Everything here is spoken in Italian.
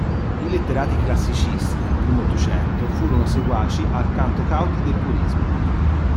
I letterati classicisti del primo Ottocento furono seguaci alquanto cauti del purismo.